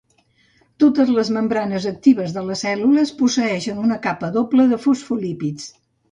Totes les membranes actives de les cèl·lules posseïxen una capa doble de fosfolípids.